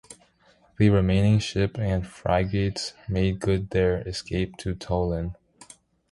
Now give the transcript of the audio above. The remaining ship and frigates made good their escape to Toulon.